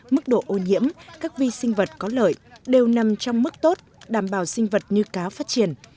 mức độ ô nhiễm các vi sinh vật có lợi đều nằm trong mức tốt đảm bảo sinh vật như cá phát triển